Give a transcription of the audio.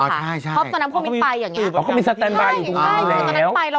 เพราะตอนนั้นผู้มิ้งไป